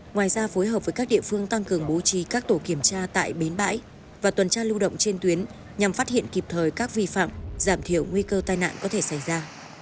ngoài ra phối hợp với các địa phương tăng cường bố trì các tổ kiểm tra tại bến bãi và tuần tra lưu động trên tuyến nhằm phát hiện kịp thời các vi phạm giảm thiểu nguy cơ tai nạn có thể xảy ra